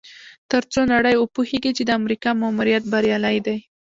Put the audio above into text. تر څو نړۍ وپوهیږي چې د امریکا ماموریت بریالی دی.